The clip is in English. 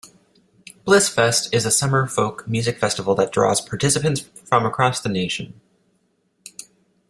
Blissfest is a summer folk music festival that draws participants from across the nation.